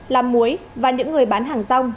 làm muối và những người bán hàng rong